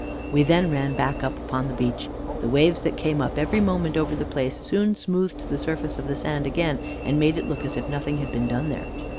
We then ran back up upon the beach. The waves that came up every moment over the place soon smoothed the surface of the sand again, and made it look as if nothing had been done there.